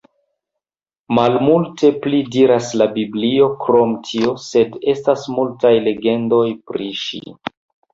Malmulte pli diras la Biblio krom tio, sed estas multaj legendoj pri ŝi.